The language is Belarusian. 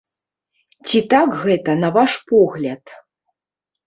Ці так гэта, на ваш погляд?